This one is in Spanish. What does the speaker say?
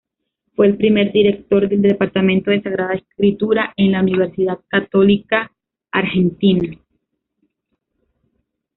Fue el primer director del Departamento de Sagrada Escritura en la Universidad Católica Argentina.